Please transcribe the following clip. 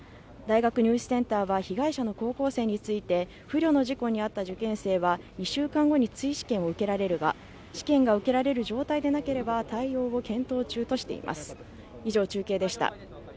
大学入試センターは被害者の高校生について不慮の事故に遭った受験生は２週間後に追試験を受けられるが試験が受けられる状態でなければ対応を検討中としています